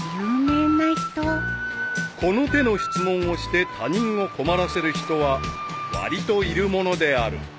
［この手の質問をして他人を困らせる人はわりといるものである］